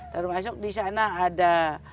termasuk di sana ada